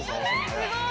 ◆すごーい。